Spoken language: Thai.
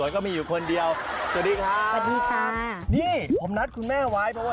ขึ้นได้ลงได้หรือเปล่า